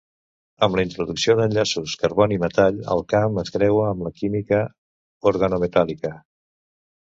Amb la introducció d'enllaços carboni-metall, el camp es creua amb la química organometàl·lica.